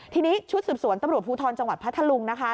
ทีนี้ชุดสืบสวนตำรวจภูทรจังหวัดพัทธลุงนะคะ